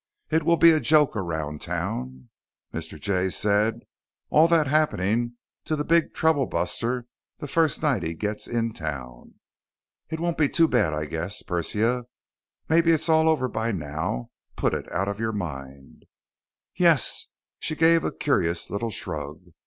It will be a joke around town, Mr. Jay said, all that happening to the big troublebuster the first night he gets in town. It won't be too bad, I guess, Persia. Maybe it's all over by now. Put it out of your mind." "Yes." She gave a curious little shrug.